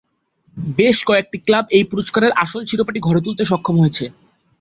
বেশ কয়েকটি ক্লাব এই পুরস্কারের আসল শিরোপাটি ঘরে তুলতে সক্ষম হয়েছে।